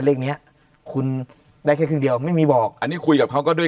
เลขเนี้ยคุณได้แค่ครึ่งเดียวไม่มีบอกอันนี้คุยกับเขาก็ด้วย